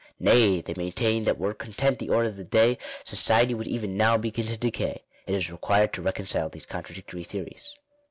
Nay, they maintain that were content the order of the day, society would even now begin to decay. It is required to reconcile these con tradictory theories.